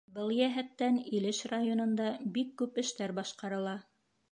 Был йәһәттән Илеш районында бик күп эштәр башҡарыла.